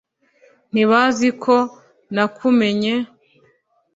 ntibazi ko nakumenye,